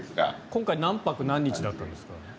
今回何泊何日だったんですか？